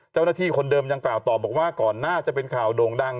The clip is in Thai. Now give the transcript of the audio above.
เจ้าหน้าที่คนเดิมยังกล่าวต่อบอกว่าก่อนหน้าจะเป็นข่าวโด่งดัง